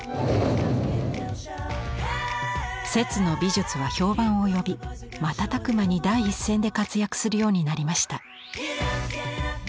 摂の美術は評判を呼び瞬く間に第一線で活躍するようになりました。